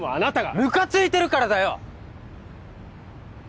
ムカついてるからだよ！